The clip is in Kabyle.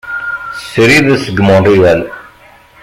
Srid seg Montreal.